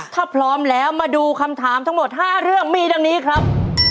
ถ้าพร้อมแล้วมาดูคำถามทั้งหมด๕เรื่องมีดังนี้ครับ